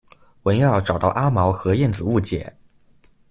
文耀找到阿毛和燕子误解。